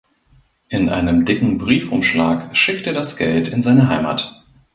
In einem dicken Briefumschlag schickt er das Geld in seine Heimat.